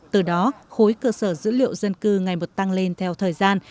từ đó khối cơ sở dữ liệu dân cư ngày một tăng lên theo thời gian